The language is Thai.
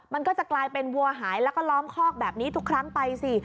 มันก็จะกลายเป็นวัวหายแล้วก็ล้อมคอกแบบนี้ทุกครั้งไปสิ